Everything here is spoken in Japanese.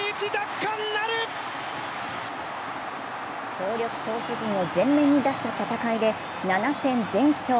強力投手陣を全面に出した戦いで７戦連勝。